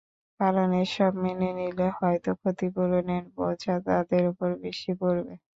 কারণ, এসব মেনে নিলে হয়তো ক্ষতিপূরণের বোঝা তাদের ওপর বেশি পড়বে।